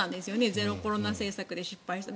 ゼロコロナ政策で失敗して。